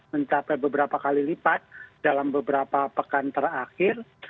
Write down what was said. mencapai beberapa kali lipat dalam beberapa pekan terakhir